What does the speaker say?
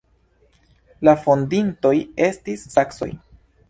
La fondintoj estis saksoj.